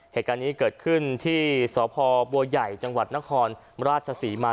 เหตุการณ์นี้เกิดขึ้นที่สพบัวใหญ่จังหวัดนครราชศรีมา